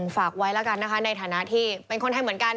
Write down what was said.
ฝากไว้แล้วกันนะคะในฐานะที่เป็นคนไทยเหมือนกัน